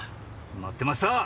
待ってましたー！